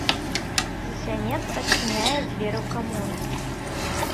З сянец адчыняе дзверы ў камору.